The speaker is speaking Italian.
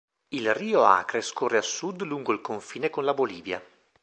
Il Rio Acre scorre a sud lungo il confine con la Bolivia.